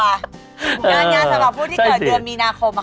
งานสำหรับผู้ที่เกิดเดือนมีนาคม